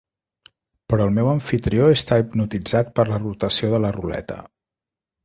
Però el meu amfitrió està hipnotitzat per la rotació de la ruleta.